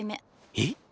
えっ？